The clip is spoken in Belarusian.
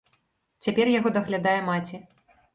Цяпер яго даглядае маці.